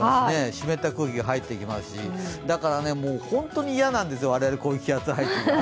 湿った空気が入ってきますし、だから本当に嫌なんですよ、我々、こういった気圧配置が。